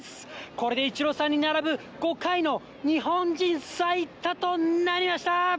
これでイチローさんに並ぶ５回の日本人最多となりました！